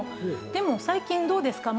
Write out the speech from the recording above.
でも最近どうですか？